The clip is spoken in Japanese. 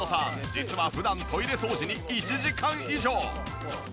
実は普段トイレ掃除に１時間以上。